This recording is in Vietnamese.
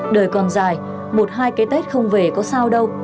đời còn dài một hai cái tết không về có sao đâu